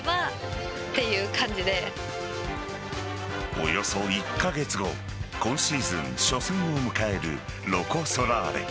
およそ１カ月後今シーズン初戦を迎えるロコ・ソラーレ。